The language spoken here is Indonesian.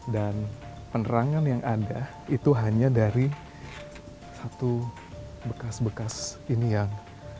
dan penerangan yang ada itu hanya dari satu bekas bekas ini yang